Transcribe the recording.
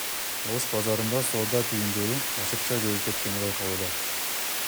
Ош базарында соода түйүндөрү ашыкча көбөйүп кеткени байкалууда.